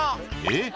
「えっ？」